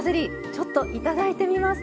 ちょっといただいてみます。